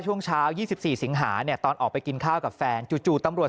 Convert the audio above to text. ช่วงเช้า๒๔สิงหาเนี่ยตอนออกไปกินข้าวกับแฟนจู่ตำรวจ